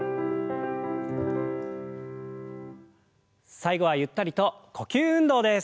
最後はゆったりと呼吸運動です。